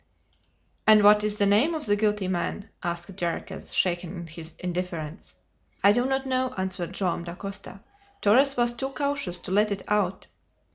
"And what is the name of the guilty man?" asked Jarriquez, shaken in his indifference. "I do not know," answered Joam Dacosta. "Torres was too cautious to let it out."